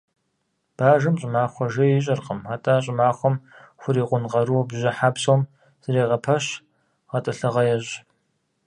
Бажэм щӏымахуэ жей ищӏыркъым, атӀэ щӏымахуэм хурикъун къару бжьыхьэ псом зэрегъэпэщ, гъэтӏылъыгъэ ещӏ.